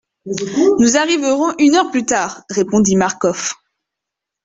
Nous arriverons une heure plus tard, répondit Marcof.